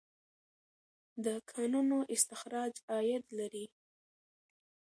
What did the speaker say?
د کانونو استخراج عاید لري.